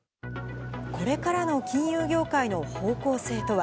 これからの金融業界の方向性とは。